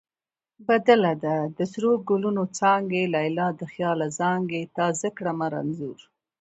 بدله ده: د سرو ګلونو څانګې لیلا د خیاله زانګې تا زه کړمه رنځور